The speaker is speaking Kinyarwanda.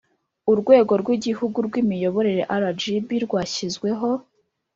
Urwego rw igihugu rw imiyoborere rgb rwashyizweho